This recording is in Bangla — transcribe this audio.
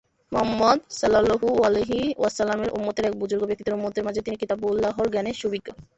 মুহাম্মদ সাল্লালাহু আলাহি ওয়াসাল্লামের উম্মতের এক বুযুর্গ ব্যক্তিত্ব উম্মতের মাঝে তিনি কিতাবুল্লাহর জ্ঞানে সুবিজ্ঞ।